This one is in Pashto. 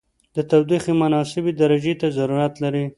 د تودوخې مناسبې درجې ته ضرورت لري.